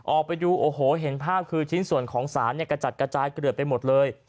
ออกไปดูโอ้โหเห็นภาพคือชิ้นส่วนของสารเนี่ยกระจัดกระจายเกลือดไปหมดเลย